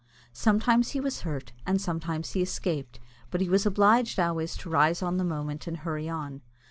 Sometimes he was hurt, and sometimes he escaped, but he was obliged always to rise on the moment and to hurry on.